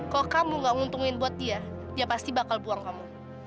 kalau kamu gak nguntungin buat dia dia pasti bakal buang kamu